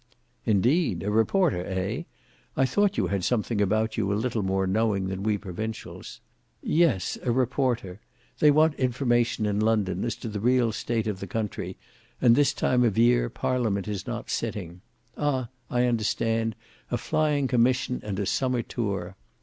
"Indeed! a reporter, eh? I thought you had something about you a little more knowing than we provincials." "Yes; a reporter; they want information in London as to the real state of the country, and this time of the year, Parliament not sitting—Ah; I understand, a flying commission and a summer tour.